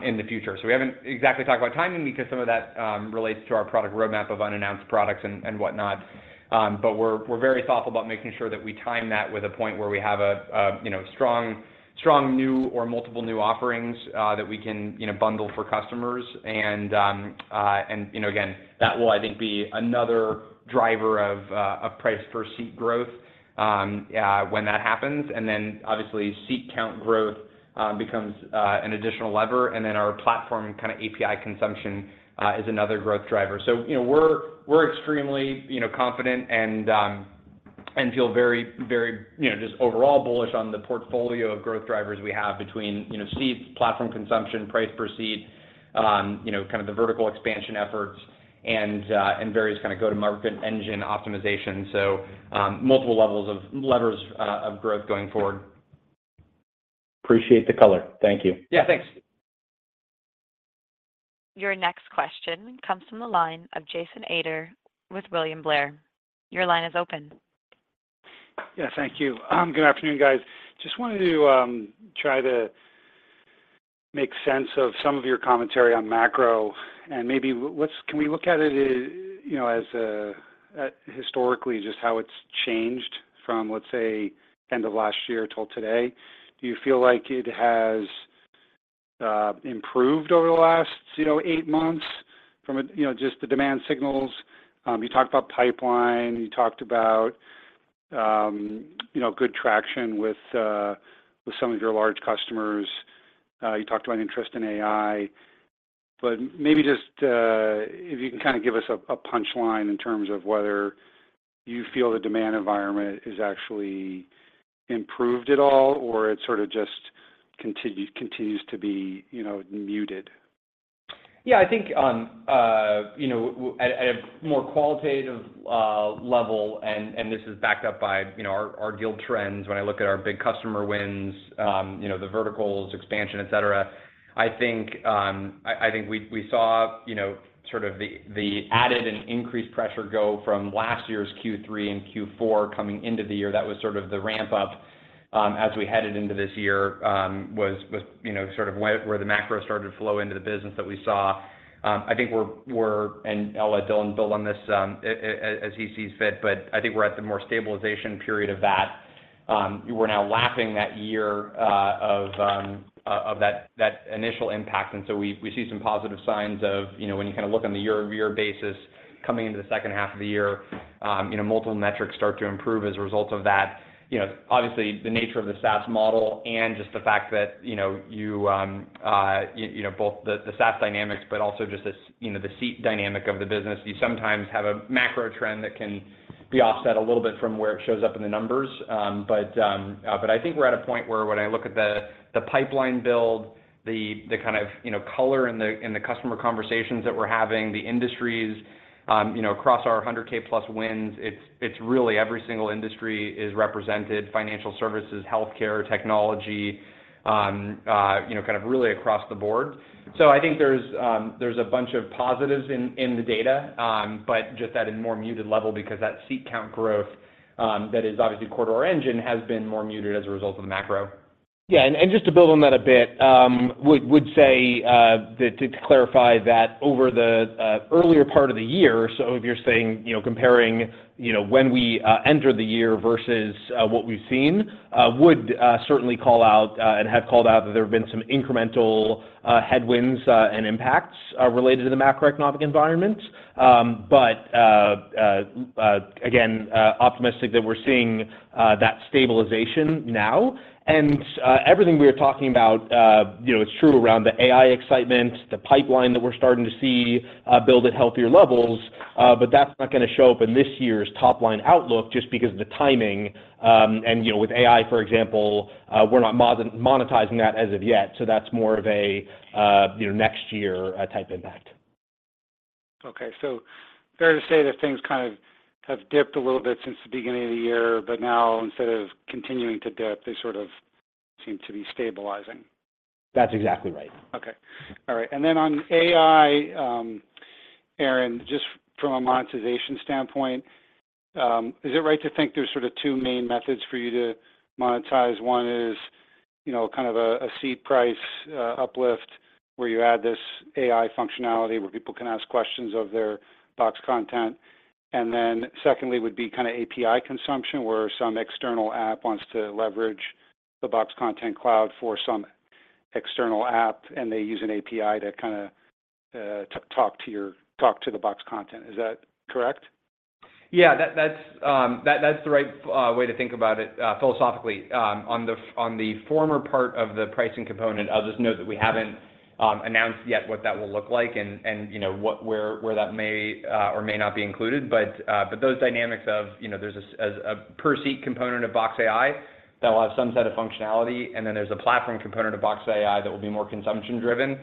in the future. So we haven't exactly talked about timing because some of that, relates to our product roadmap of unannounced products and, and whatnot. But we're very thoughtful about making sure that we time that with a point where we have a you know strong new or multiple new offerings that we can you know bundle for customers. And you know again that will I think be another driver of of price per seat growth when that happens. And then obviously seat count growth becomes an additional lever, and then our platform kind of API consumption is another growth driver. So you know we're extremely you know confident and feel very very you know just overall bullish on the portfolio of growth drivers we have between you know seats platform consumption price per seat you know kind of the vertical expansion efforts and various kind of go-to-market engine optimization. Multiple levels of levers of growth going forward. Appreciate the color. Thank you. Yeah, thanks. Your next question comes from the line of Jason Ader with William Blair. Your line is open. Yeah, thank you. Good afternoon, guys. Just wanted to try to make sense of some of your commentary on macro, and maybe can we look at it, you know, as a historically, just how it's changed from, let's say, end of last year till today? Do you feel like it has improved over the last, you know, eight months? From a, you know, just the demand signals, you talked about pipeline, you talked about, you know, good traction with some of your large customers. You talked about interest in AI, but maybe just if you can kind of give us a punchline in terms of whether you feel the demand environment is actually improved at all, or it sort of just continues to be, you know, muted? Yeah, I think, you know, at a more qualitative level, and this is backed up by, you know, our deal trends, when I look at our big customer wins, you know, the verticals, expansion, et cetera, I think, I think we saw, you know, sort of the added and increased pressure go from last year's Q3 and Q4 coming into the year. That was sort of the ramp up, as we headed into this year, was, you know, sort of where the macro started to flow into the business that we saw. I think we're, and I'll let Dylan build on this, as he sees fit, but I think we're at the more stabilization period of that. We're now lapping that year of that initial impact, and so we see some positive signs of, you know, when you kind of look on the year-over-year basis coming into the second half of the year, you know, multiple metrics start to improve as a result of that. You know, obviously, the nature of the SaaS model and just the fact that, you know, you know, both the SaaS dynamics, but also just the, you know, the seat dynamic of the business, you sometimes have a macro trend that can be offset a little bit from where it shows up in the numbers. But I think we're at a point where when I look at the pipeline build, the kind of, you know, color in the customer conversations that we're having, the industries, you know, across our 100K+ wins, it's really every single industry is represented, financial services, healthcare, technology, you know, kind of really across the board. So I think there's a bunch of positives in the data, but just at a more muted level, because that seat count growth that is obviously core to our engine has been more muted as a result of the macro. Yeah, and just to build on that a bit, would say that to clarify that over the earlier part of the year, so if you're saying, you know, comparing, you know, when we entered the year versus what we've seen, would certainly call out and have called out that there have been some incremental headwinds and impacts related to the macroeconomic environment. But again, optimistic that we're seeing that stabilization now. And everything we were talking about, you know, is true around the AI excitement, the pipeline that we're starting to see build at healthier levels, but that's not gonna show up in this year's top-line outlook just because of the timing. You know, with AI, for example, we're not monetizing that as of yet, so that's more of a you know, next year type impact. Okay. Fair to say that things kind of have dipped a little bit since the beginning of the year, but now, instead of continuing to dip, they sort of seem to be stabilizing? That's exactly right. Okay. All right. And then on AI, Aaron, just from a monetization standpoint, is it right to think there's sort of two main methods for you to monetize? One is, you know, kind of a seat price uplift, where you add this AI functionality, where people can ask questions of their Box content. And then secondly, would be kind of API consumption, where some external app wants to leverage the Box Content Cloud for some external app, and they use an API to kind of talk to the Box content. Is that correct? Yeah, that, that's the right way to think about it, philosophically. On the former part of the pricing component, I'll just note that we haven't announced yet what that will look like and, you know, what, where that may or may not be included. But those dynamics of, you know, there's a per seat component of Box AI that will have some set of functionality, and then there's a platform component of Box AI that will be more consumption driven.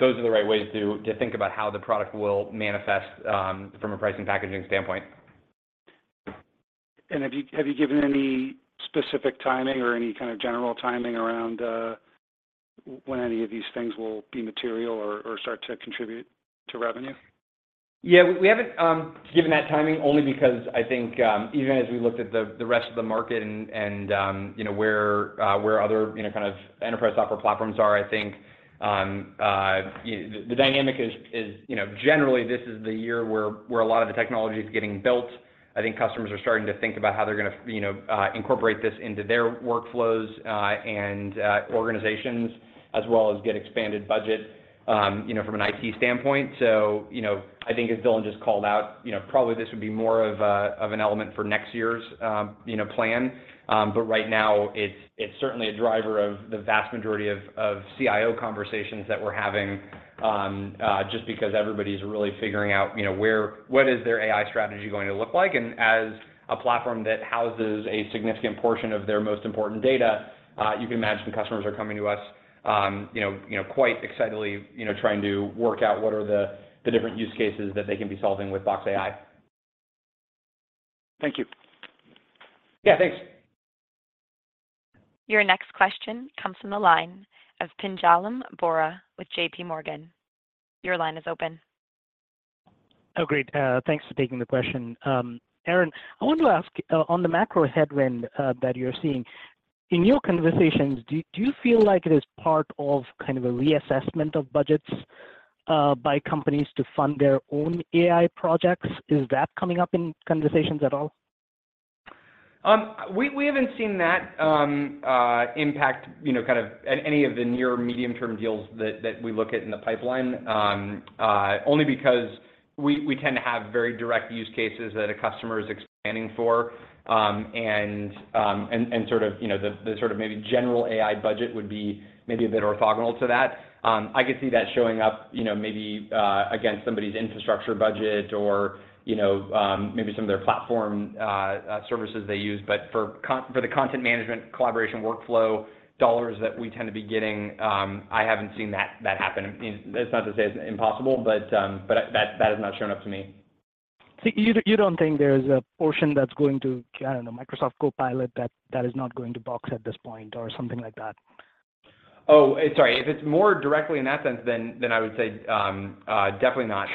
Those are the right ways to think about how the product will manifest from a pricing and packaging standpoint. Have you given any specific timing or any kind of general timing around when any of these things will be material or start to contribute to revenue? Yeah. We haven't given that timing only because I think, even as we looked at the rest of the market and, you know, where other, you know, kind of enterprise software platforms are, I think, the dynamic is, you know, generally this is the year where a lot of the technology is getting built. I think customers are starting to think about how they're gonna, you know, incorporate this into their workflows, and organizations, as well as get expanded budget, you know, from an IT standpoint. So, you know, I think as Dylan just called out, you know, probably this would be more of an element for next year's, you know, plan. But right now, it's certainly a driver of the vast majority of CIO conversations that we're having, just because everybody's really figuring out, you know, what is their AI strategy going to look like? And as a platform that houses a significant portion of their most important data, you can imagine customers are coming to us, you know, quite excitedly, you know, trying to work out what are the different use cases that they can be solving with Box AI. Thank you. Yeah, thanks. Your next question comes from the line of Pinjalim Bora with JPMorgan. Your line is open. Oh, great. Thanks for taking the question. Aaron, I want to ask, on the macro headwind that you're seeing, in your conversations, do you feel like it is part of kind of a reassessment of budgets by companies to fund their own AI projects? Is that coming up in conversations at all? We haven't seen that impact, you know, kind of any of the near medium-term deals that we look at in the pipeline, only because we tend to have very direct use cases that a customer is expanding for. And sort of, you know, the sort of maybe general AI budget would be maybe a bit orthogonal to that. I could see that showing up, you know, maybe against somebody's infrastructure budget or, you know, maybe some of their platform services they use. But for the content management, collaboration, workflow dollars that we tend to be getting, I haven't seen that happen. I mean, that's not to say it's impossible, but that has not shown up to me. So you don't think there's a portion that's going to, I don't know, Microsoft Copilot, that is not going to Box at this point or something like that? Oh, sorry. If it's more directly in that sense, then I would say definitely not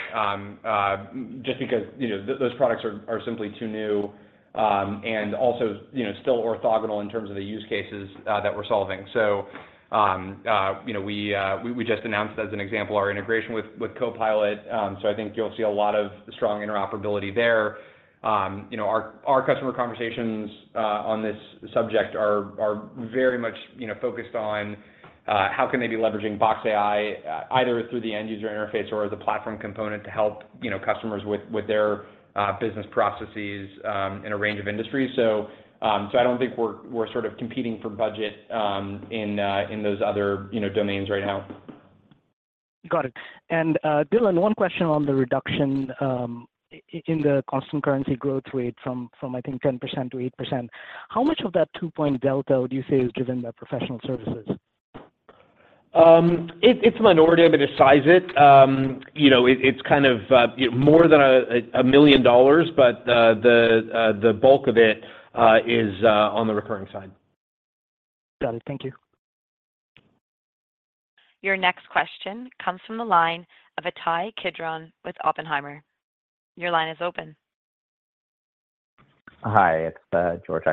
just because, you know, those products are simply too new, and also, you know, still orthogonal in terms of the use cases that we're solving. So, you know, we just announced, as an example, our integration with Copilot. So I think you'll see a lot of strong interoperability there. You know, our customer conversations on this subject are very much, you know, focused on how can they be leveraging Box AI either through the end user interface or the platform component to help, you know, customers with their business processes in a range of industries. I don't think we're sort of competing for budget in those other, you know, domains right now. Got it. And, Dylan, one question on the reduction in the constant currency growth rate from 10%-8%. How much of that 2-point delta would you say is driven by professional services? It's a minority, but it's sizable. You know, it's kind of more than $1 million, but the bulk of it is on the recurring side. Got it. Thank you. Your next question comes from the line of Ittai Kidron with Oppenheimer. Your line is open. Hi, it's George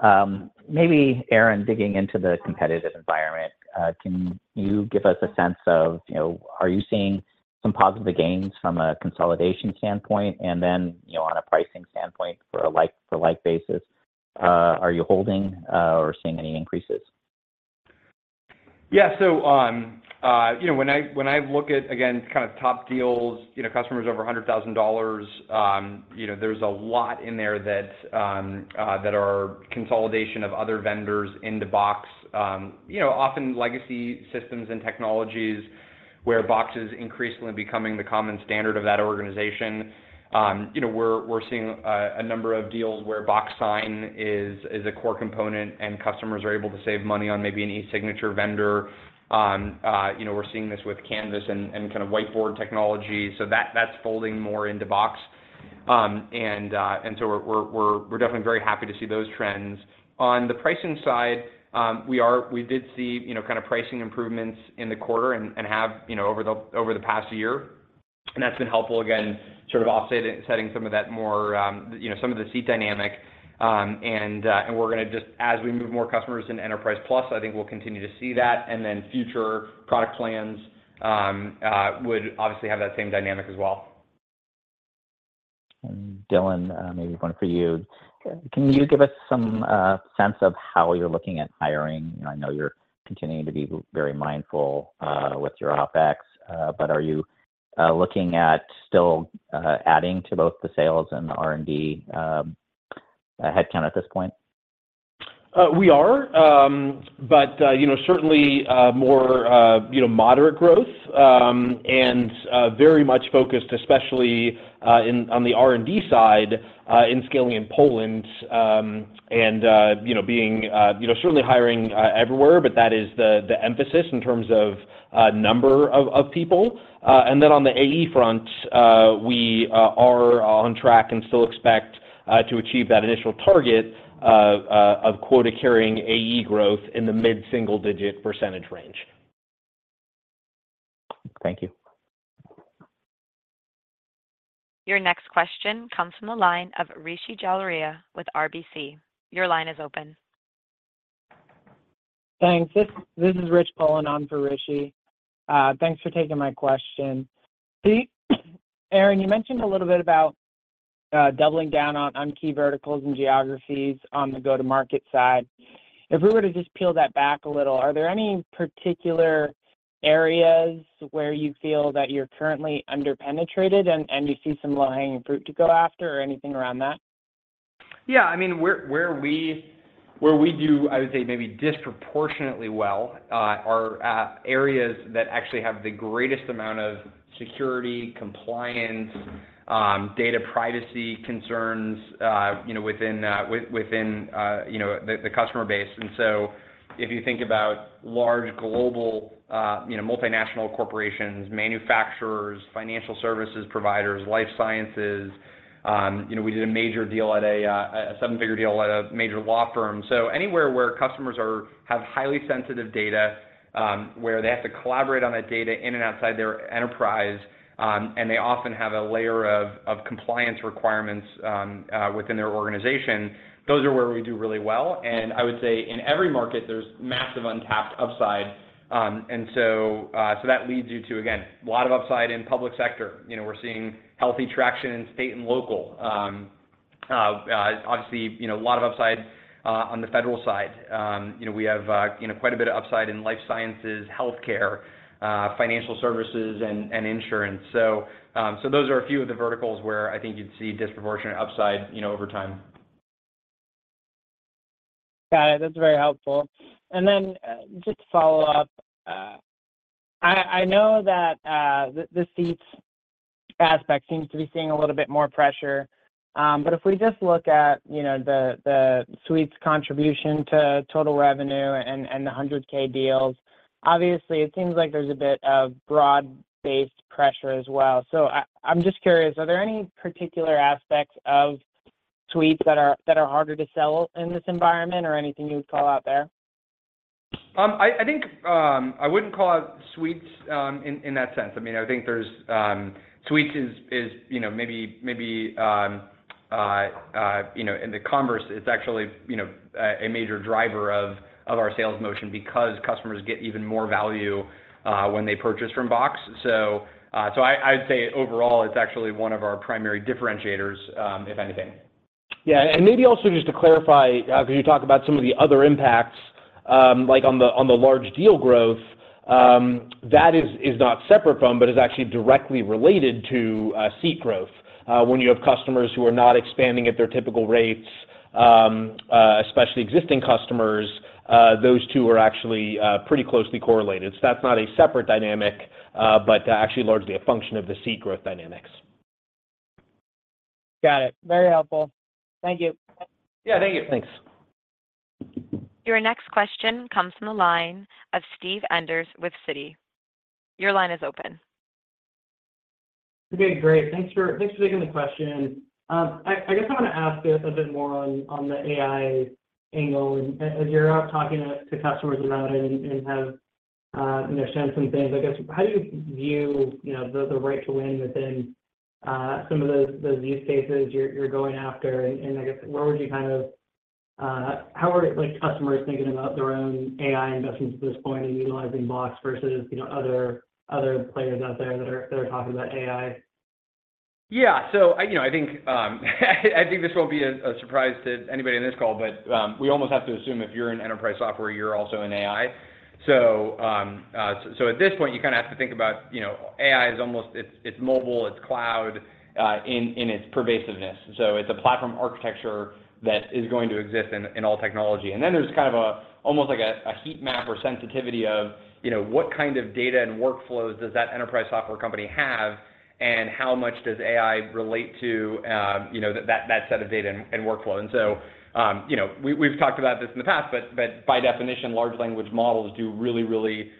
Iwanyc. Maybe, Aaron, digging into the competitive environment, can you give us a sense of, you know, are you seeing some positive gains from a consolidation standpoint? And then, you know, on a pricing standpoint for a like-for-like basis, are you holding, or seeing any increases? Yeah. So, you know, when I look at, again, kind of top deals, you know, customers over $100,000, you know, there's a lot in there that that are consolidation of other vendors into Box. You know, often legacy systems and technologies where Box is increasingly becoming the common standard of that organization. You know, we're seeing a number of deals where Box Sign is a core component, and customers are able to save money on maybe an e-signature vendor. You know, we're seeing this with Canvas and kind of whiteboard technology, so that's folding more into Box. And so we're definitely very happy to see those trends. On the pricing side, we did see, you know, kind of pricing improvements in the quarter and have, you know, over the past year, and that's been helpful, again, sort of offsetting some of that more, you know, some of the seat dynamic. And we're gonna just – as we move more customers into Enterprise Plus, I think we'll continue to see that, and then future product plans would obviously have that same dynamic as well. Dylan, maybe one for you. Can you give us some sense of how you're looking at hiring? I know you're continuing to be very mindful with your OpEx, but are you looking at still adding to both the sales and the R&D headcount at this point? We are, but you know, certainly more moderate growth, and very much focused, especially in on the R&D side, in scaling in Poland. And you know, being you know, certainly hiring everywhere, but that is the emphasis in terms of number of people. And then on the AE front, we are on track and still expect to achieve that initial target of quota carrying AE growth in the mid-single digit percentage range. Thank you. Your next question comes from the line of Rishi Jaluria with RBC. Your line is open. Thanks. This is Rich Poland on for Rishi. Thanks for taking my question. See, Aaron, you mentioned a little bit about doubling down on key verticals and geographies on the go-to-market side. If we were to just peel that back a little, are there any particular areas where you feel that you're currently under-penetrated and you see some low-hanging fruit to go after or anything around that? Yeah, I mean, where we do, I would say, maybe disproportionately well are areas that actually have the greatest amount of security, compliance, data privacy concerns, you know, within the customer base. And so if you think about large global, you know, multinational corporations, manufacturers, financial services providers, life sciences, you know, we did a major deal at a seven-figure deal at a major law firm. So anywhere where customers have highly sensitive data, where they have to collaborate on that data in and outside their enterprise, and they often have a layer of compliance requirements within their organization, those are where we do really well. And I would say in every market, there's massive untapped upside. And so that leads you to, again, a lot of upside in public sector. You know, we're seeing healthy traction in state and local. Obviously, you know, a lot of upside on the federal side. You know, we have, you know, quite a bit of upside in life sciences, healthcare, financial services, and, and insurance. So those are a few of the verticals where I think you'd see disproportionate upside, you know, over time. Got it. That's very helpful. And then, just to follow up, I know that the seats aspect seems to be seeing a little bit more pressure, but if we just look at, you know, the suites contribution to total revenue and the 100K deals, obviously, it seems like there's a bit of broad-based pressure as well. So I'm just curious, are there any particular aspects of suites that are harder to sell in this environment or anything you'd call out there? I think I wouldn't call it suites in that sense. I mean, I think there's suites is, you know, maybe in the converse, it's actually, you know, a major driver of our sales motion because customers get even more value when they purchase from Box. So, I'd say overall, it's actually one of our primary differentiators if anything. Yeah, and maybe also just to clarify, because you talked about some of the other impacts, like on the large deal growth, that is not separate from, but is actually directly related to, seat growth. When you have customers who are not expanding at their typical rates, especially existing customers, those two are actually pretty closely correlated. So that's not a separate dynamic, but actually largely a function of the seat growth dynamics. Got it. Very helpful. Thank you. Yeah, thank you. Thanks. Your next question comes from the line of Steve Enders with Citi. Your line is open. Okay, great. Thanks for taking the question. I guess I wanna ask just a bit more on the AI angle, and as you're out talking to customers about it and have understand some things, I guess, how do you view, you know, the right to win within some of those use cases you're going after? And I guess, where would you kind of how are, like, customers thinking about their own AI investments at this point in utilizing Box versus, you know, other players out there that are talking about AI? Yeah. So, I, you know, I think this won't be a surprise to anybody in this call, but, we almost have to assume if you're in enterprise software, you're also in AI. So at this point, you kinda have to think about, you know, AI is almost, it's mobile, it's cloud, in its pervasiveness. So it's a platform architecture that is going to exist in all technology. And then there's kind of almost like a heat map or sensitivity of, you know, what kind of data and workflows does that enterprise software company have, and how much does AI relate to, you know, that set of data and workflow? And so, you know, we, we've talked about this in the past, but, but by definition, large language models do really, really,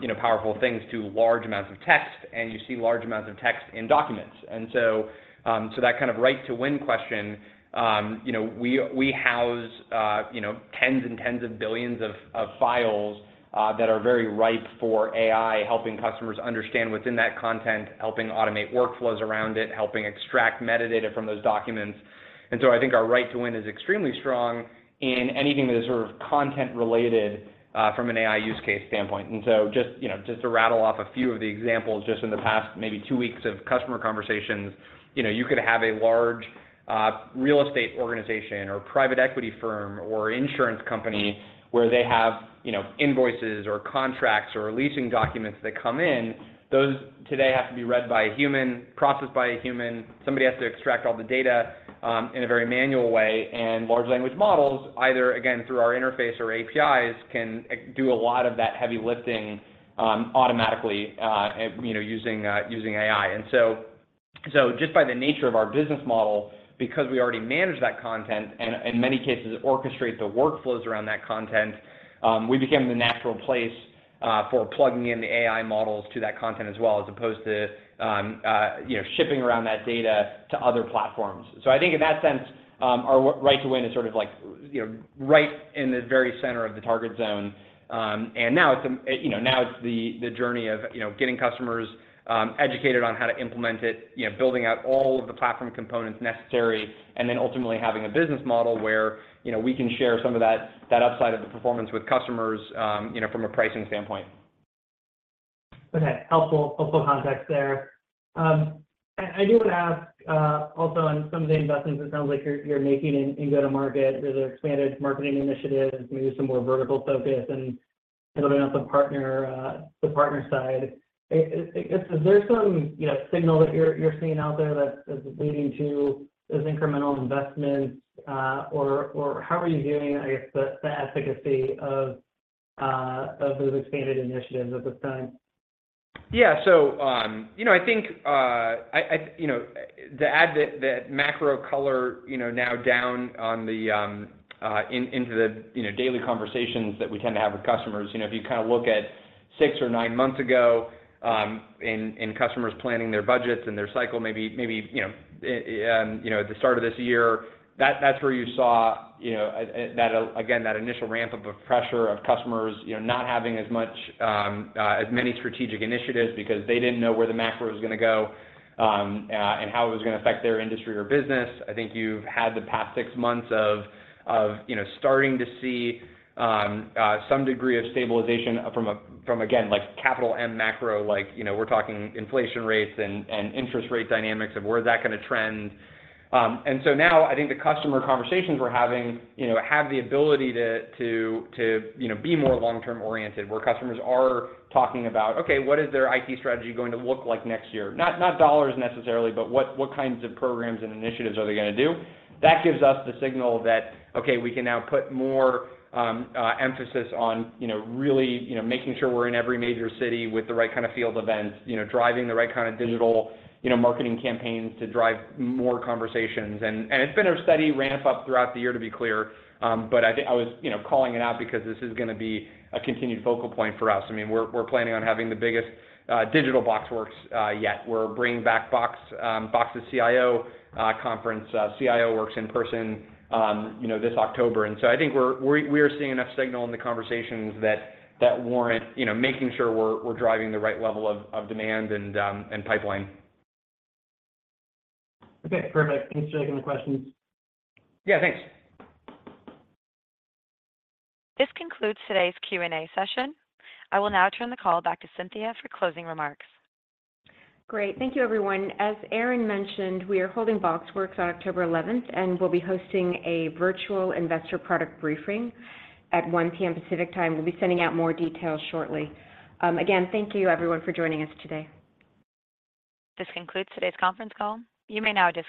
you know, powerful things to large amounts of text, and you see large amounts of text in documents. And so, so that kind of right to win question, you know, we, we house, you know, tens and tens of billions of, of files, that are very ripe for AI, helping customers understand within that content, helping automate workflows around it, helping extract metadata from those documents. And so I think our right to win is extremely strong in anything that is sort of content related, from an AI use case standpoint. And so just, you know, just to rattle off a few of the examples, just in the past, maybe two weeks of customer conversations, you know, you could have a large, real estate organization, or private equity firm, or insurance company, where they have, you know, invoices, or contracts, or leasing documents that come in. Those today have to be read by a human, processed by a human, somebody has to extract all the data, in a very manual way. And large language models, either, again, through our interface or APIs, can do a lot of that heavy lifting, automatically, you know, using, using AI. Just by the nature of our business model, because we already manage that content, and in many cases, orchestrate the workflows around that content, we became the natural place for plugging in the AI models to that content as well, as opposed to, you know, shipping around that data to other platforms. So I think in that sense, our right to win is sort of like, you know, right in the very center of the target zone. And now it's, you know, now it's the journey of, you know, getting customers educated on how to implement it, you know, building out all of the platform components necessary, and then ultimately having a business model where, you know, we can share some of that upside of the performance with customers, you know, from a pricing standpoint. Okay. Helpful, helpful context there. I do want to ask also on some of the investments it sounds like you're making in go-to-market. There's expanded marketing initiatives, maybe some more vertical focus, and building out the partner side. Is there some, you know, signal that you're seeing out there that's leading to those incremental investments? Or how are you viewing, I guess, the efficacy of those expanded initiatives at this time? Yeah. So, you know, I think. You know, to add the macro color, you know, now down into the daily conversations that we tend to have with customers, you know, if you kind of look at six or nine months ago, in customers planning their budgets and their cycle, maybe, you know, at the start of this year, that's where you saw, you know, that again, that initial ramp up of pressure of customers, you know, not having as much as many strategic initiatives because they didn't know where the macro was gonna go, and how it was gonna affect their industry or business. I think you've had the past six months of you know starting to see some degree of stabilization from a again like capital and macro like you know we're talking inflation rates and interest rate dynamics of where is that gonna trend. And so now I think the customer conversations we're having you know have the ability to you know be more long-term oriented where customers are talking about okay what is their IT strategy going to look like next year? Not dollars necessarily but what kinds of programs and initiatives are they gonna do? That gives us the signal that, okay, we can now put more emphasis on, you know, really, you know, making sure we're in every major city with the right kind of field events, you know, driving the right kind of digital, you know, marketing campaigns to drive more conversations. And it's been a steady ramp up throughout the year, to be clear, but I think I was, you know, calling it out because this is gonna be a continued focal point for us. I mean, we're planning on having the biggest digital BoxWorks yet. We're bringing back Box's CIO conference, CIO Works in person, you know, this October. And so I think we're seeing enough signal in the conversations that warrant, you know, making sure we're driving the right level of demand and pipeline. Okay, perfect. Thanks for taking the questions. Yeah, thanks. This concludes today's Q&A session. I will now turn the call back to Cynthia for closing remarks. Great. Thank you, everyone. As Aaron mentioned, we are holding BoxWorks on October 11th, and we'll be hosting a virtual investor product briefing at 1:00 P.M. Pacific Time. We'll be sending out more details shortly. Again, thank you everyone for joining us today. This concludes today's conference call. You may now disconnect.